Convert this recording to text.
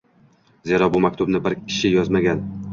Zero bu maktubni bir kishi yozmagan